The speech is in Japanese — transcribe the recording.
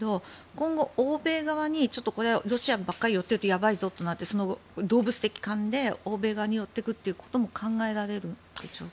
今後、欧米側にロシアばっかりに寄ってるとやばいぞと動物的勘で欧米側に寄って来ることも考えられるんでしょうか？